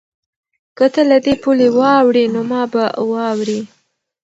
که ته له دې پولې واوړې نو ما به واورې؟